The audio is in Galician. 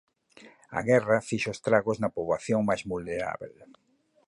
A guerra fixo estragos na poboación máis vulnerábel.